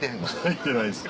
入ってないです。